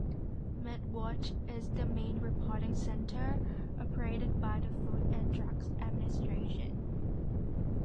MedWatch is the main reporting center, operated by the Food and Drug Administration.